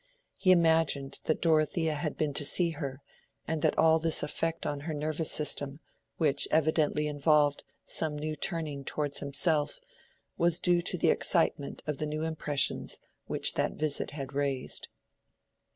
He imagined that Dorothea had been to see her, and that all this effect on her nervous system, which evidently involved some new turning towards himself, was due to the excitement of the new impressions which that visit had raised.